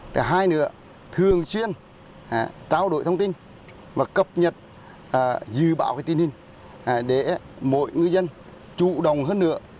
thứ hai nữa thường xuyên trao đổi thông tin và cập nhật dự báo tin hình để mọi ngư dân chủ đồng hơn nữa